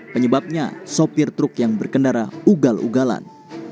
penyebabnya sopir truk yang berkendara ugal ugalan